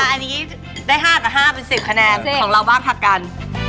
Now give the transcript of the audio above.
อันนี้ได้๕กับ๕เป็น๑๐คะแนนของเราบ้างค่ะกัน